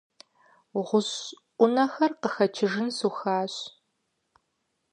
ГъущӀ Ӏунэхэр къыхэчыжын сухащ.